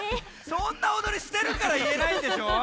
そんなおどりしてるからいえないんでしょ。